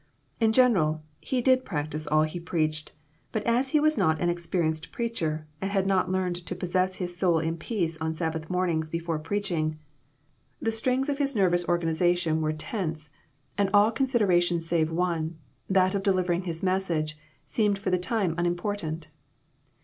In general, he did practice all he preached, but as he was not an experienced preacher, and had not learned to pos sess his soul in peace on Sabbath mornings before preaching, the strings of his nervous organization IMPROMPTU VISITS. 115 were tense, and all considerations save one, that of delivering his message, seemed for the time unimportant.